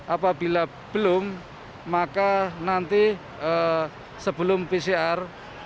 apabila belum maka nanti sebelum pcr